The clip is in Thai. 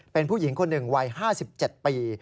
เป็นผู้หญิงคนหนึ่งวัย๕๗ปี